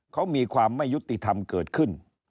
เขามีความไม่ยุติธรรมเกิดขึ้น